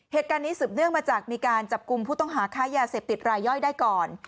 เหตุการณ์นี้สืบเนื่องมาจากมีการจับกลุ่มผู้ต้องหาค้ายาเสพติดรายย่อยได้ก่อน